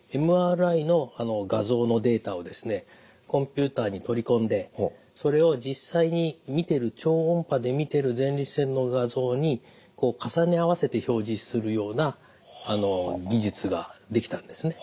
ＭＲＩの画像のデータをですねコンピューターに取り込んでそれを実際に見てる超音波で見てる前立腺の画像に重ね合わせて表示するような技術が出来たんですね。